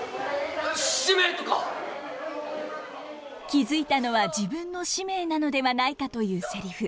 気付いたのは自分の使命なのではないかというセリフ。